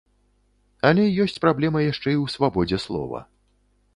Але ёсць праблема яшчэ і ў свабодзе слова.